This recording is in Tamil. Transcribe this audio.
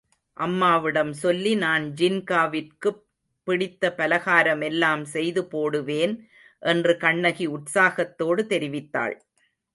அம்மாவிடம் சொல்லி நான் ஜின்காவிற்குப் பிடித்த பலகாரமெல்லாம் செய்து போடுவேன் என்று கண்ணகி உற்சாகத்தோடு தெரிவித்தாள்.